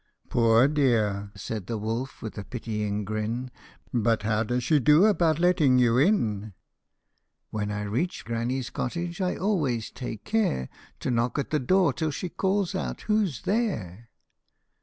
" Poor dear," said the wolf, with a pitying grin ;" But how does she do about letting you in "" When I reach granny's cottage I always take care To knock at the door till she calls out ' Who 's there